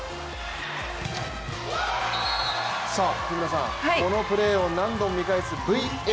木村さん、このプレーを何度も見返すＶＡＡ。